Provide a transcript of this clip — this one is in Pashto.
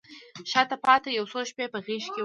شاته پاته یو څو شپې په غیږکې وړمه